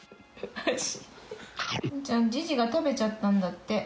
うにちゃん、ジジが食べちゃったんだって。